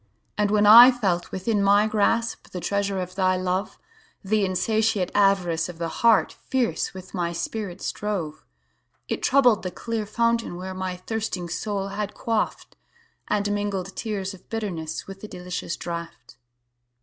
And when I felt within my grasp, The treasure of thy love; The insatiate avarice of the heart Fierce with my spirit strove.It troubled the clear fountain where My thirsting soul had quaffed, And mingled tears of bitterness With the delicious draught.